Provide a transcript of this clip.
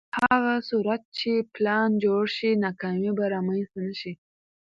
په هغه صورت کې چې پلان جوړ شي، ناکامي به رامنځته نه شي.